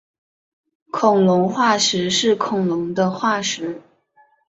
恐龙化石是恐龙的化石。